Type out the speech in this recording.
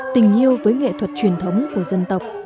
tình yêu với nghệ thuật truyền thống của dân tộc